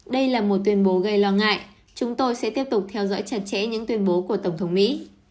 đây là một tuyên bố gây lo ngại chúng tôi sẽ tiếp tục theo dõi chặt chẽ những tuyên bố của tổng thống mỹ